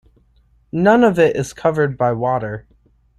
None of it is covered by water.